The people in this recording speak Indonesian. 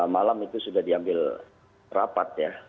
malam itu sudah diambil rapat ya